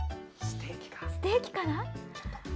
ステーキかな？